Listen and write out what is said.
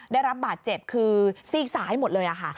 ได้รับบาดเจ็บคือซีกซ้ายหมดเลยค่ะ